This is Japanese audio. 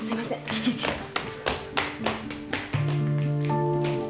ちょちょちょっと。